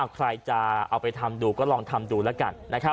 ใครจะเอาไปทำดูก็ลองทำดูแล้วกัน